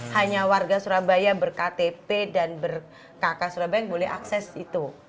hanya warga surabaya berktp dan berkk surabaya yang boleh akses itu